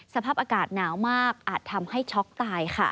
สภาพอากาศหนาวมากอาจทำให้ช็อกตายค่ะ